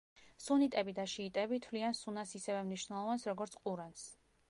სუნიტები და შიიტები თვლიან სუნას ისევე მნიშვნელოვანს როგორც ყურანს.